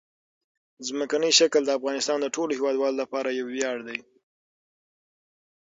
ځمکنی شکل د افغانستان د ټولو هیوادوالو لپاره یو ویاړ دی.